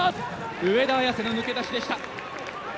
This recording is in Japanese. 上田綺世の抜け出しでした。